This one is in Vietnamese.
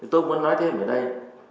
tôi muốn nói thêm ở đây